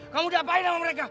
kamu udah apaan sama mereka